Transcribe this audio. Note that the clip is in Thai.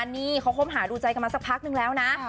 นี่เขาคบหาดูใจกันมาสักพักนึงแล้วนะ